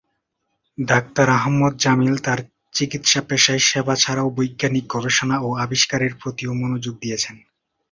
Doctor Ahmad Jamil তার চিকিৎসাপেশায় সেবা ছাড়াও বৈজ্ঞানিক গবেষণা ও আবিষ্কারের প্রতিও মনোযোগ দিয়েছেন।